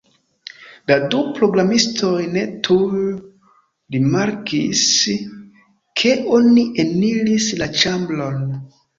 La du programistoj ne tuj rimarkis, ke oni eniris la ĉambron.